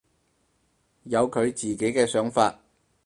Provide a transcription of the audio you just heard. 有佢自己嘅想法